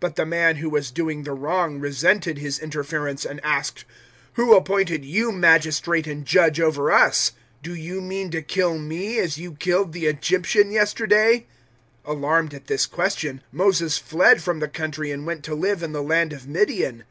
007:027 "But the man who was doing the wrong resented his interference, and asked, "`Who appointed you magistrate and judge over us? 007:028 Do you mean to kill me as you killed the Egyptian yesterday?' 007:029 "Alarmed at this question, Moses fled from the country and went to live in the land of Midian.